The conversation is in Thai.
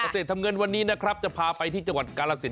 เกษตรทำเงินวันนี้นะครับจะพาไปที่จังหวัดกาลสิน